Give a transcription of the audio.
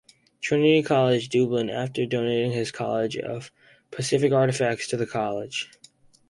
Trinity College, Dublin, after donating his collection of Pacific Artifacts to the college.